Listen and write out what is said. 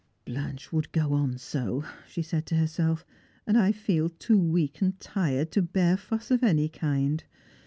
" Blanche woi; ld go on so," she said to herself, " and I feel too weak and tired to bear fuss of any kind.